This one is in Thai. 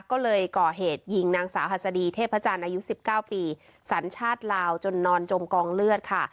ก็เลยก่อเหตุยิงนางสาวฮัศดีเทพจันทร์อายุ๑๙ปีสัญชาติลาวจนนอนจมกองเลือดค่ะ